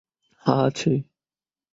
হ্যাঁ, আছে।